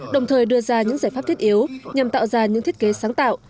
đồng thời đưa ra những giải pháp thiết yếu nhằm tạo ra những thiết kế sáng tạo